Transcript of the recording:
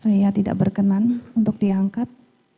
saya tidak berkenan untuk diangkat